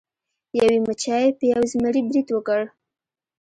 یوې مچۍ په یو زمري برید وکړ.